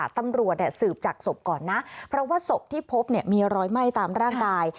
ตำรวจสืบจากศพก่อนนะเพราะว่าศพที่พบมีรอยไหม้ตามร่างกาย